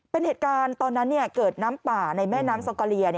เป็นเหตุการณ์ตอนนั้นเกิดน้ำป่าในแม่น้ำซองกอเลีย